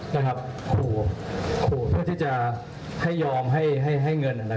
เพื่อที่จะให้ยอมให้เงิน